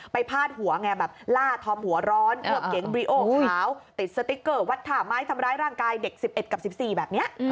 พาดหัวไงแบบล่าทอมหัวร้อนเกือบเก๋งบริโอขาวติดสติ๊กเกอร์วัดท่าไม้ทำร้ายร่างกายเด็ก๑๑กับ๑๔แบบนี้